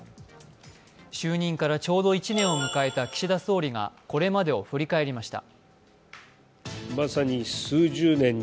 就任からちょうど１年を迎えた岸田総理がこれまでを振り返りました。